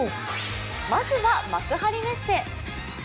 まずは幕張メッセ。